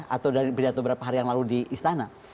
atau dari pidato beberapa hari yang lalu di istana